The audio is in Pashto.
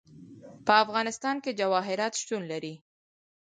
په افغانستان کې جواهرات شتون لري.